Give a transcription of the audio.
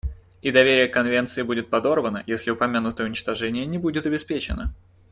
И доверие к Конвенции будет подорвано, если упомянутое уничтожение не будет обеспечено.